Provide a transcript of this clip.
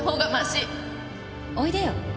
おいでよ。